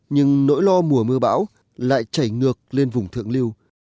nhưng nỗi lo mùa mưa bão lại chảy ngược lên vùng thượng lưu